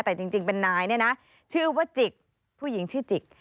แต่จริงเป็นนายเนี่ยนะชื่อว่าจิกผู้หญิงชื่อจิก